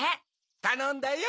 たのんだよ。